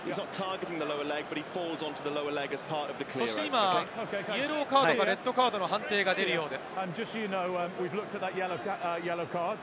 そして今、イエローカードかレッドカードの判定が出るようです。